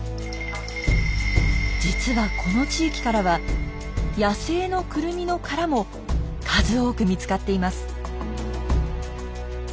実はこの地域からは野生のクルミの殻も数多く見つかっています。